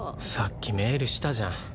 さっきメールしたじゃん。